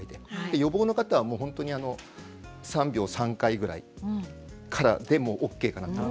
予防の方は大体３秒３回ぐらいからでもＯＫかなと。